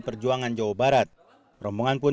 perjuangan jawa barat rombongan pun